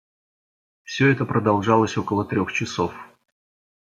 Все это продолжалось около трех часов.